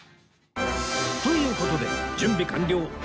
という事で準備完了